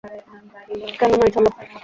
কেন নয়, চলো।